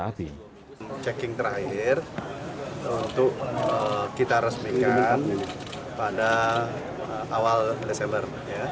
checking terakhir untuk kita resmikan pada awal desember